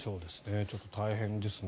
ちょっと大変ですね。